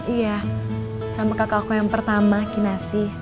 iya sama kakak aku yang pertama kinasi